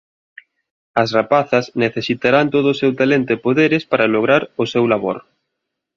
As rapazas necesitarán todo o seu talento e poderes para lograr o seu labor.